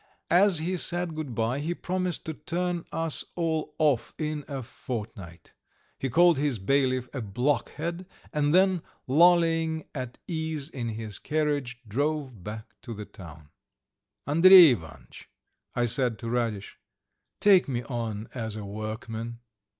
As he said good bye he promised to turn us all off in a fortnight; he called his bailiff a blockhead; and then, lolling at ease in his carriage, drove back to the town. "Andrey Ivanitch," I said to Radish, "take me on as a workman."